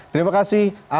terima kasih aras